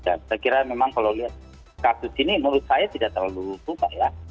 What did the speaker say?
saya kira memang kalau lihat kasus ini menurut saya tidak terlalu buka ya